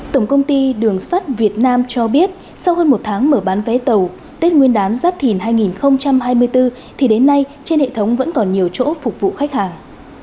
tổng công ty đường sắt việt nam cho biết sau hơn một tháng mở bán vé tàu tết nguyên đán giáp thìn hai nghìn hai mươi bốn thì đến nay trên hệ thống vẫn còn nhiều chỗ phục vụ khách hàng